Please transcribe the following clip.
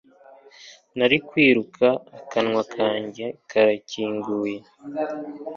nari kwiruka. akanwa kanjye karakinguye